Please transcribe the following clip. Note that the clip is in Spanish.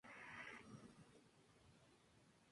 Su pico y patas son negras.